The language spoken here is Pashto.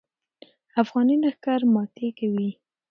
افغاني لښکر ماتې کوي.